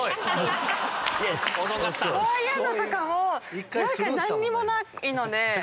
こういうのとかも何もないので。